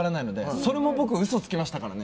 それも僕、嘘つきましたからね。